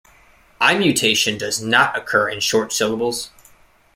I-mutation does not occur in short syllables.